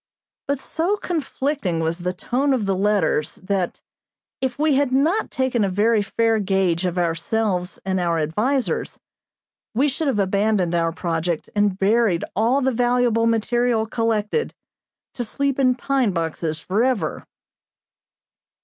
But so conflicting was the tone of the letters that, if we had not taken a very fair gauge of ourselves and our advisers, we should have abandoned our project and buried all the valuable material collected, to sleep in pine boxes forever.